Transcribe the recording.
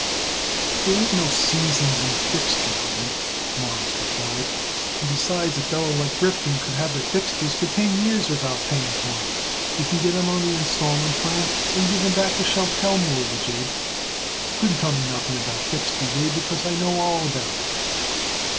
"There ain't no seasons in fixtures, Abe," Morris replied, "and besides, a feller like Rifkin could have it fixtures for ten years without paying for 'em. He could get 'em on the installment plan and give back a chattel mortgage, Abe. You couldn't tell me nothing about fixtures, Abe, because I know all about it."